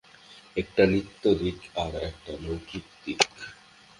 একটা নিত্য দিক, আর-একটা লৌকিক দিক।